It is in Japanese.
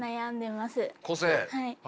はい。